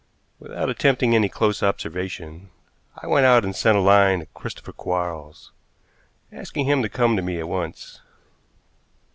Without attempting any close observation, I went out and sent a line to Christopher Quarles, asking him to come to me at once.